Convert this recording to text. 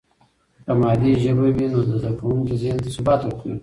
که مادي ژبه وي، نو د زده کوونکي ذهن ته ثبات ورکوي.